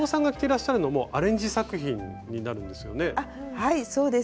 はいそうです。